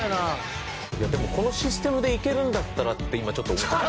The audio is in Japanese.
でもこのシステムでいけるんだったらって今ちょっと思ってます。